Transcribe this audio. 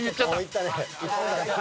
いったね。